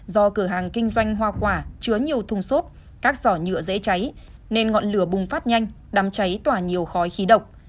do cửa hàng kinh doanh hoa quả chứa nhiều thùng xốp các giỏ nhựa dễ cháy nên ngọn lửa bùng phát nhanh đám cháy tỏa nhiều khói khí độc